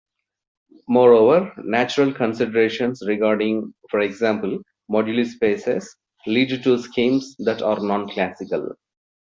Moreover, natural considerations regarding, for example, moduli spaces, lead to schemes that are "non-classical".